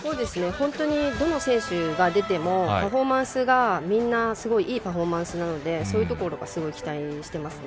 本当に、どの選手が出てもパフォーマンスがみんな、すごいいいパフォーマンスなのでそういうところすごい期待してますね。